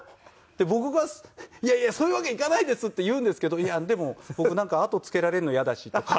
で僕が「いやいやそういうわけにいかないです」って言うんですけど「いやでも僕なんか後をつけられるの嫌だし」とか。